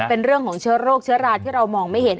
เป็นเรื่องของเชื้อโรคเชื้อราที่เรามองไม่เห็น